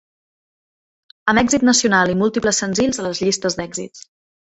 Amb èxit nacional i múltiples senzills a les llistes d'èxits.